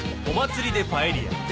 お祭りでパエリア。